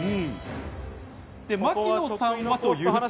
槙野さんはというと。